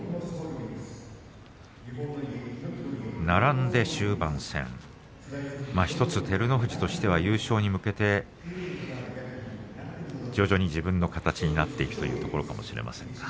並んで終盤戦、照ノ富士としては優勝するために徐々に自分の形になっていくというところかもしれません。